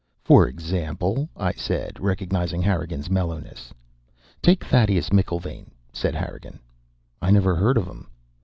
"For example?" I said, recognizing Harrigan's mellowness. "Take Thaddeus McIlvaine," said Harrigan. "I never heard of him."